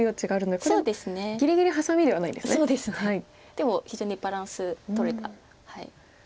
でも非常にバランスとれた。